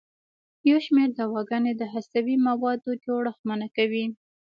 یو شمېر دواګانې د هستوي موادو جوړښت منع کوي.